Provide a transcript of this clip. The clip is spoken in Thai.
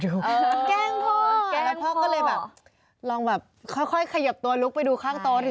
ก็เลยแบบลองแบบคร่อยขยับตัวลุกไปดูข้างโต๊ะ